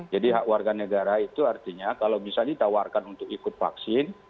jadi hak warga negara itu artinya kalau bisa ditawarkan untuk ikut vaksin